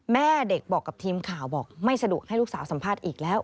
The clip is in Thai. แม่เด็กบอกกับทีมข่าวบอกไม่สะดวกให้ลูกสาวสัมภาษณ์อีกแล้ว